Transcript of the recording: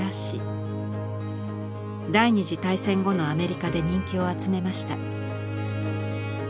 第二次大戦後のアメリカで人気を集めました。